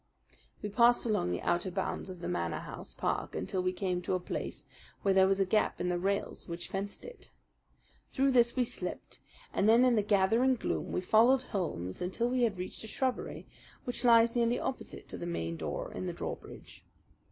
We passed along the outer bounds of the Manor House park until we came to a place where there was a gap in the rails which fenced it. Through this we slipped, and then in the gathering gloom we followed Holmes until we had reached a shrubbery which lies nearly opposite to the main door and the drawbridge.